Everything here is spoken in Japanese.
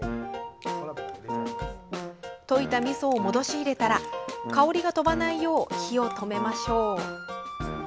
溶いたみそを戻し入れたら香りがとばないよう火を止めましょう。